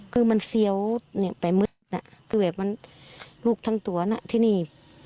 คือมันเซียวเนี้ยไปน่ะคือแบบมันลูกทั้งตัวน่ะที่นี่